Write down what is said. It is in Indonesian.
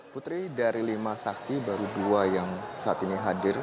putri dari lima saksi baru dua yang saat ini hadir